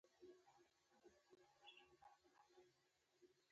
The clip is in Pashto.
کمپیوټر پوهان شته دي.